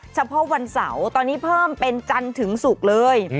เฉพาะวันเสาร์ตอนนี้เพิ่มเป็นจันทร์ถึงศุกร์เลย